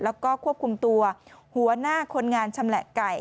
แล้วก็ควบคุมตัวหัวหน้าคนงานชำแหละไก่